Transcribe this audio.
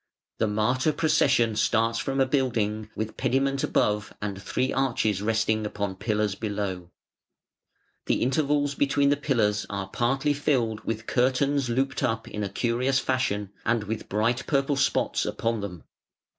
The martyr procession starts from a building, with pediment above and three arches resting upon pillars below. The intervals between the pillars are partly filled with curtains looped up in a curious fashion and with bright purple spots upon them.